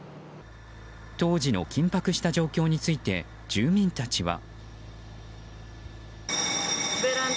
当時の緊迫した状況について住民たちは。